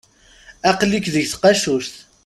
Aql-ik deg tqacuct.